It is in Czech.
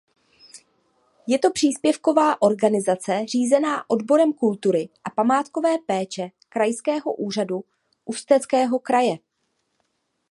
Je to příspěvková organizace řízená odborem kultury a památkové péče Krajského úřadu Ústeckého kraje.